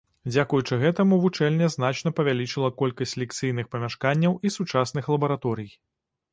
Дзякуючы гэтаму вучэльня значна павялічыла колькасць лекцыйных памяшканняў і сучасных лабараторый.